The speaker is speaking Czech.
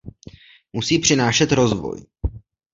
Musí přinášet rozvoj.